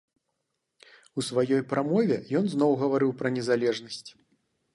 У сваёй прамове ён зноў гаварыў пра незалежнасць.